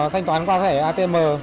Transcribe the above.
thanh toán qua thẻ atm